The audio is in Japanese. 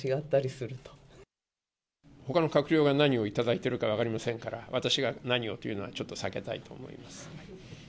ほかの閣僚が何を頂いているか分かりませんから、私が何をというのはちょっと避けたいと思います。